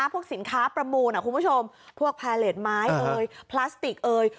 พวกสินค้าประมูลคุณผู้ชมพวกแพเลสไม้เอ่ยพลาสติกเอ่ย